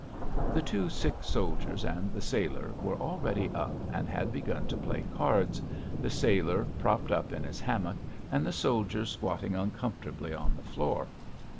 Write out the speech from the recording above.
The two sick soldiers and the sailor were already up and had begun to play cards, the sailor propped up in his hammock, and the soldiers squatting uncomfortably on the floor.